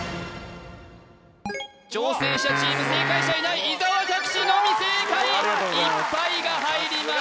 挑戦者チーム正解者いない伊沢拓司のみ正解「いっぱい」が入ります